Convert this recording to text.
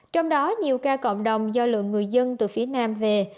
trong đó nhiều ca cộng đồng do lượng người dân từ phía nam về